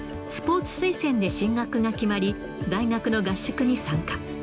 スポーツ推薦で進学が決まり、大学の合宿に参加。